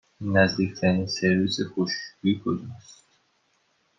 نزدیکترین سرویس خشکشویی کجاست؟